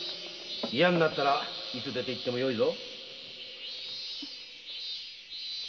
嫌になったらいつ出て行ってもよいぞ。